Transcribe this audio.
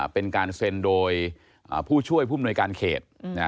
เป็นการเซ็นโดยผู้ช่วยผู้มนวยการเขต